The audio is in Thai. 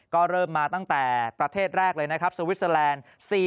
ก็เริ่มมาตั้งแต่ประเทศแรกเลยนะครับสวิสเตอร์แลนด์